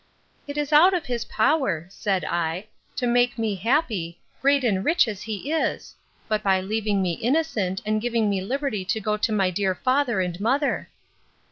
It is out of his power, said I, to make me happy, great and rich as he is! but by leaving me innocent, and giving me liberty to go to my dear father and mother.